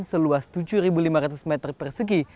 seluas tujuh lima ratus meter persegi